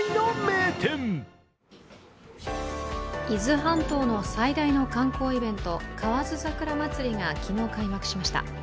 伊豆半島の最大の観光イベント、河津桜まつりが昨日開幕しました。